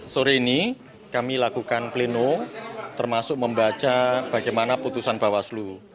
sore ini kami lakukan pleno termasuk membaca bagaimana putusan bawaslu